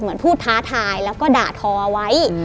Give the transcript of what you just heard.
เหมือนพูดท้าทายแล้วก็ด่าทอไว้